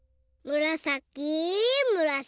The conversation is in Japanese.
むらさき。